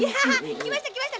きましたきました！